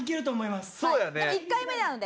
まだ１回目なので。